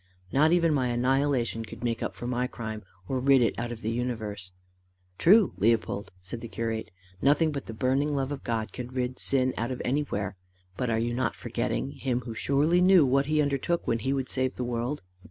Not even my annihilation could make up for my crime, or rid it out of the universe." "True, Leopold!" said the curate. "Nothing but the burning love of God can rid sin out of anywhere. But are you not forgetting him who surely knew what he undertook when he would save the world?